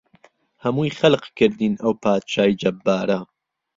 ههمووی خهلق کردين ئەو پادشای جهبباره